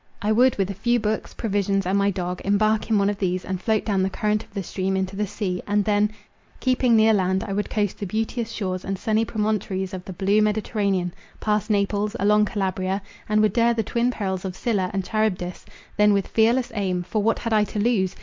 I would with a few books, provisions, and my dog, embark in one of these and float down the current of the stream into the sea; and then, keeping near land, I would coast the beauteous shores and sunny promontories of the blue Mediterranean, pass Naples, along Calabria, and would dare the twin perils of Scylla and Charybdis; then, with fearless aim, (for what had I to lose?)